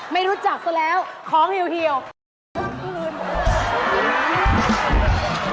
ไม่รู้จักซะแล้วของเหี่ยว